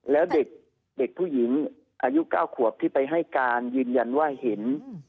แล้วเด็กผู้หญิงอายุ๙ขวบที่ไปให้การยืนยันว่าเห็น